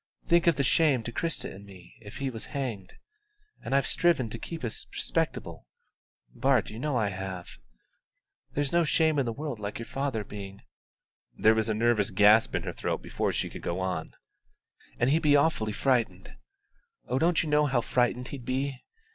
Think of the shame to Christa and me if he was hanged. And I've striven so to keep us respectable Bart, you know I have. There's no shame in the world like your father being " (there was a nervous gasp in her throat before she could go on) "and he'd be awfully frightened. Oh, you don't know how frightened he'd be!